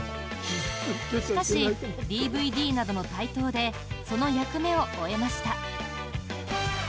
しかし、ＤＶＤなどの台頭でその役目を終えました。